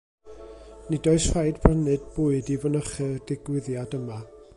Nid oes rhaid prynu bwyd i fynychu'r digwyddiad yma